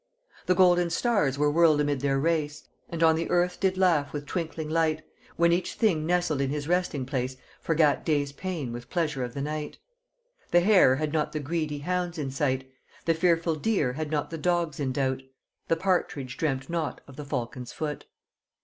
The golden stars were whirled amid their race, And on the earth did laugh with twinkling light, When each thing nestled in his resting place Forgat day's pain with pleasure of the night: The hare had not the greedy hounds in sight; The fearful deer had not the dogs in doubt, The partridge dreamt not of the falcon's foot.